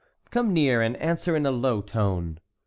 "Come near, and answer in a low tone."